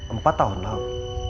empat tahun lalu